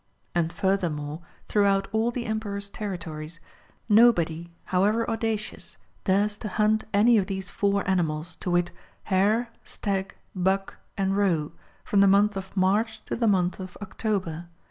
And furthermore throughout all the Emperor's territories, nobody however audacious dares to hunt any of these four animals, to wit, hare, stag, buck, and roe, from the month of March to the month of October.